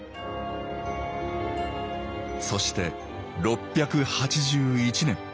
そして６８１年。